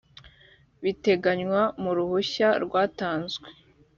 biteganywa mu ruhushya rwatanzwe